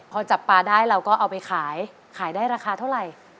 พอจับปลาได้เราก็เอาไปขายขายได้ราคาเท่าไหร่